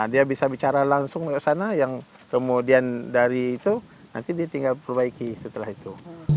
dia bisa bicara langsung ke sana yang kemudian dari itu nanti ditinggal perbaiki setelah itu